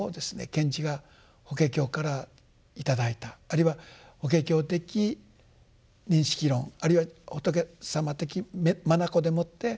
賢治が「法華経」から頂いたあるいは法華経的認識論あるいは仏様的眼でもって万物を見ようとする力。